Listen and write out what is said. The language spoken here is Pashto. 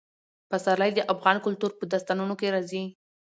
پسرلی د افغان کلتور په داستانونو کې راځي.